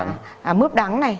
hoặc là mướp đắng này